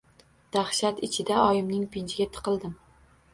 Dahshat ichida oyimning pinjiga tiqildim.